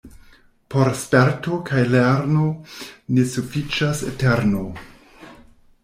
Por sperto kaj lerno ne sufiĉas eterno.